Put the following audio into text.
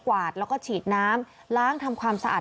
วาดแล้วก็ฉีดน้ำล้างทำความสะอาด